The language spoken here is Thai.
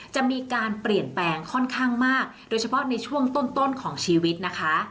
จะมีการเปลี่ยนแปลงค่อนข้างมากโดยเฉพาะในช่วงต้นของชีวิตนะคะ